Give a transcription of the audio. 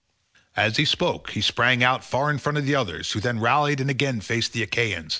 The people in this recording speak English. As he spoke he sprang out far in front of the others, who then rallied and again faced the Achaeans.